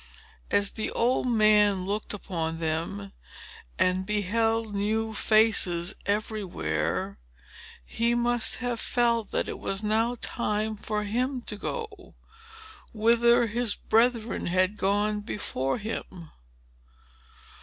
As the old man looked upon them, and beheld new faces everywhere, he must have felt that it was now time for him to go, whither his brethren had gone before him."